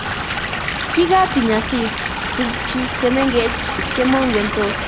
Kikatiny Asisi tuguj chemengech chemonomktos